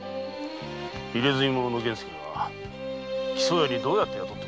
入墨者の源助が木曽屋にどうやって雇ってもらったんだ？